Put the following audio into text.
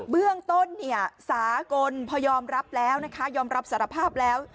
เบื้องต้นเนี่ยสากลพอยอมรับแล้วนะคะยอมรับสารภาพแล้ว